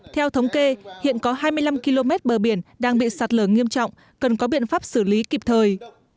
theo thống kê hiện có hai mươi năm km bờ biển đang bị sạt lở nghiêm trọng cần có biện pháp xử lý kịp thời